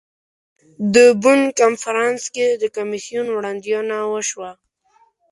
د بن کنفرانس کې د کمیسیون وړاندوینه وشوه.